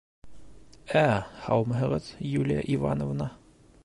— Ә, һаумыһығыҙ, Юлия Ивановна!